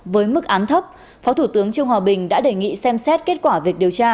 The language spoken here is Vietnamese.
với mức án thấp phó thủ tướng trương hòa bình đã đề nghị xem xét kết quả việc điều tra